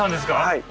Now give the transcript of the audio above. はい。